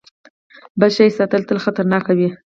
بد شی ساتل تل خطرناک وي.